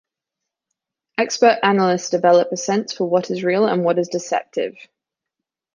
Expert analysts develop a sense for what is real and what is deceptive.